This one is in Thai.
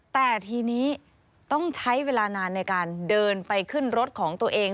แต่ทีนี้ต้องใช้เวลานานในการเดินไปขึ้นรถของตัวเอง